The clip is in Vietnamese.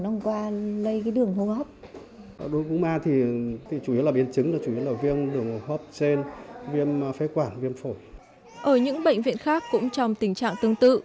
ở những bệnh viện khác cũng trong tình trạng tương tự